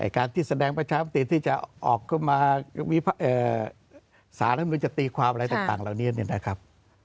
การที่แสดงประชาบัติที่จะออกเข้ามาสารธรรมดิจตีความอะไรต่างแล้วเนี่ยนะครับ